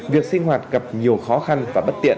việc sinh hoạt gặp nhiều khó khăn và bất tiện